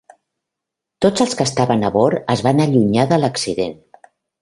Tots els que estaven a bord es van allunyar de l'accident.